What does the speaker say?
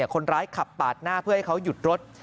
คนร้ายขับปาดหน้าเพื่อให้เขาหยุดรถ